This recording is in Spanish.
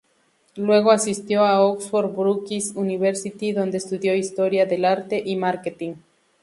Luego asistió al Oxford Brookes University, donde estudió Historia del Arte y Marketing.